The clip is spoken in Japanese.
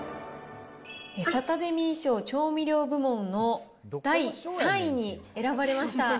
サタデミー賞調味料部門の第３位に選ばれました。